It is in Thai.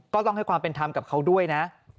ต้องให้ความเป็นธรรมกับเขาด้วยนะ